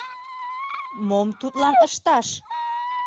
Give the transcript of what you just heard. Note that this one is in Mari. Мом тудлан ышташ?